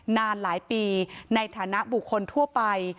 นานหลายปีในฐานะบุคคลทั่วไป